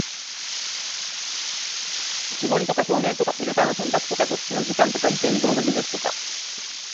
絞りとか照明とかフィルターの選択とか露出の時間とか現像の技術とか、